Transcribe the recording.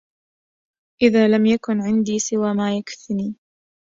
إذا لم يكن عندي سوى ما يكفني